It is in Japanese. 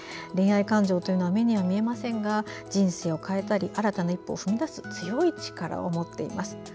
恋愛感情というのは目には見えませんが人生を変えたり新たな一歩を踏み出す強い力を持っています。